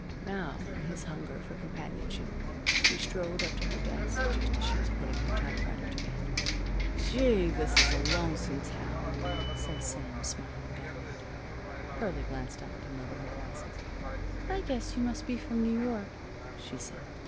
Now, in his hunger for companionship, he, strolled up to her desk, just as she was putting her typewriter to bed. "Gee I This is a lonesome town!" said Sam, smiling down at her. Pearlie glanced up at him, over her glasses. "I guess you must be from New York," she said.